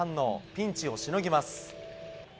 ピンチをしのぎます。